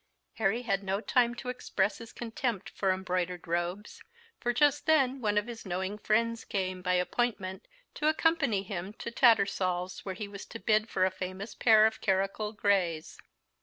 Harry had no time to express his contempt for embroidered robes; for just then one of his knowing friends came, by appointment, to accompany him to Tattersal's, where he was to bid for a famous pair of curricle grays.